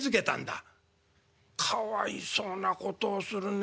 「かわいそうなことをするね